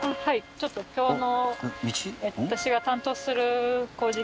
ちょっと今日の。